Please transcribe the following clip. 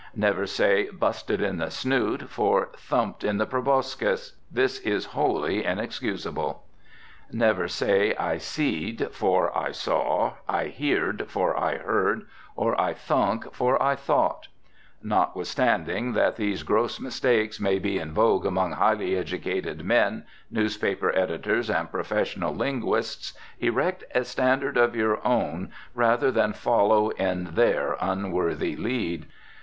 Never say, "busted in the snoot" for "thumped in the proboscis." This is wholly inexcusable. Never say "I seed" for "I saw," "I heerd" for "I heard," or "I thunk" for "I thought." Notwithstanding that these gross mistakes may be in vogue among highly educated men, newspaper editors and professional linguists, erect a standard of your own rather than follow in their unworthy lead.